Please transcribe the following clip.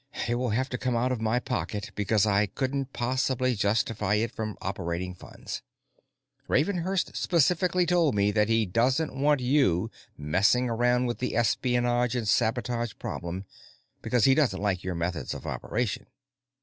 It will have to come out of my pocket because I couldn't possibly justify it from operating funds. Ravenhurst specifically told me that he doesn't want you messing around with the espionage and sabotage problem because he doesn't like your methods of operation."